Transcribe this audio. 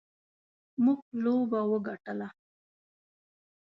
موږ لوبه وګټله.